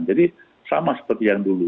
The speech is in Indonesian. jadi sama seperti yang dulu